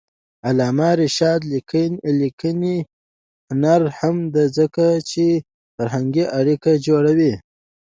د علامه رشاد لیکنی هنر مهم دی ځکه چې فرهنګي اړیکې جوړوي.